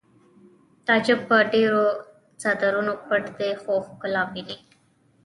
تعجب په ډېرو څادرونو پټ دی خو ښکلا ویني